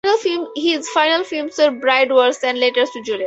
His final films were "Bride Wars" and "Letters to Juliet".